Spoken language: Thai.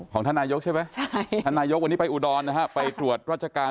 ของท่านนายกใช่ไหมใช่ท่านนายกวันนี้ไปอุดรนะฮะไปตรวจราชการ